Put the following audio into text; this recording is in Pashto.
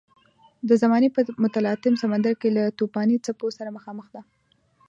د زمانې په متلاطم سمندر کې له توپاني څپو سره مخامخ ده.